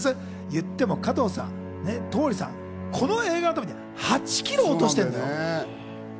いっても加藤さん、桃李さん、この映画のために８キロ落としてるのよ。